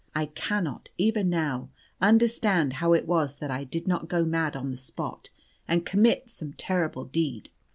I cannot, even now, understand how it was that I did not go mad on the spot and commit some terrible deed.